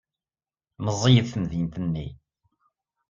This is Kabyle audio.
Meẓẓiyet temdint-nni.